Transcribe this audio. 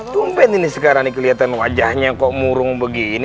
tumpen ini sekarang nih keliatan wajahnya kok murung begini